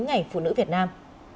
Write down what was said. ngày phụ nữ việt nam